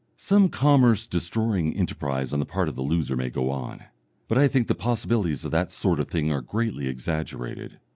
Some commerce destroying enterprise on the part of the loser may go on, but I think the possibilities of that sort of thing are greatly exaggerated.